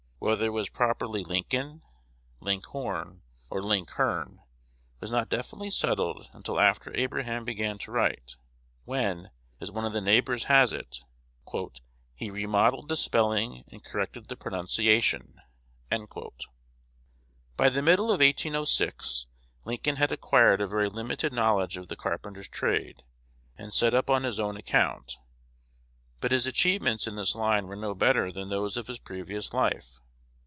Whether it was properly "Lincoln," "Linckhorn," or "Linckhern," was not definitely settled until after Abraham began to write, when, as one of the neighbors has it, "he remodelled the spelling and corrected the pronunciation." By the middle of 1806, Lincoln had acquired a very limited knowledge of the carpenter's trade, and set up on his own account; but his achievements in this line were no better than those of his previous life.